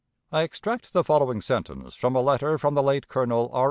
I extract the following sentence from a letter from the late Colonel R.